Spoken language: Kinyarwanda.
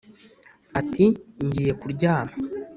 ati: “ngiye kuryama